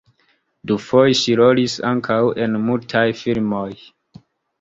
Dufoje ŝi rolis ankaŭ en mutaj filmoj.